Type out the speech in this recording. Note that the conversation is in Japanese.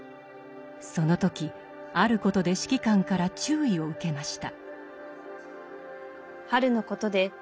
その時あることで指揮官から注意を受けました。